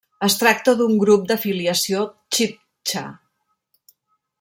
Es tracta d'un grup de filiació txibtxa.